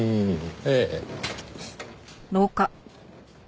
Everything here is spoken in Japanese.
ええ。